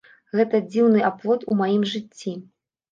Гэта дзіўны аплот у маім жыцці!